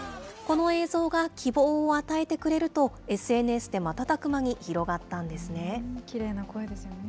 この映像が希望を与えてくれると、ＳＮＳで瞬く間に広がったんですね。